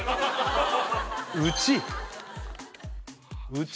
うち？